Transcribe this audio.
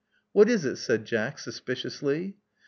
What is it?" said Jack, suspiciously.